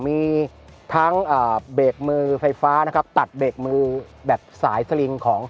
มีทั้งเบรกมือไฟฟ้านะครับตัดเบรกมือแบบสายสลิงของ